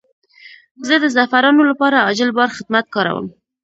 زه د زعفرانو لپاره عاجل بار خدمت کاروم.